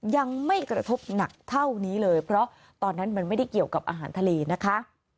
ยังไม่กระทบหนักเท่านี้เลยเพราะตอนนั้นมันไม่ได้เกี่ยวกับอาหารทะเลนะคะ